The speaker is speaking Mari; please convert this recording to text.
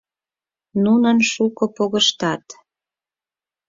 Нунын шуко погыштат.